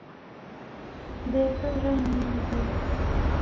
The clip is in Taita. Mbewa ranona nguwo